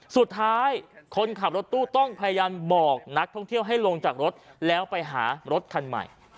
สุดท้ายคนขับรถตู้ต้องพยายามบอกนักท่องเที่ยวให้ลงจากรถแล้วไปหารถคันใหม่